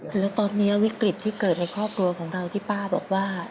แล้วตอนนี้วิกฤตที่เกิดในครอบครัวของเราที่ป้าบอกว่า